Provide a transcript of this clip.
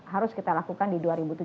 harus kita lakukan di dua ribu tujuh belas